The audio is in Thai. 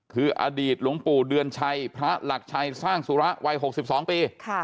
คืออดีตหลวงปู่เดือนชัยพระหลักชัยสร้างสุระวัย๖๒ปี